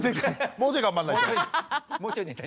もうちょい頑張んないと。